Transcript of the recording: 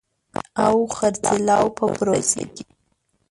او خرڅلاو په پروسه کې